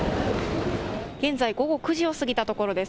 現在、午後９時を過ぎたところです。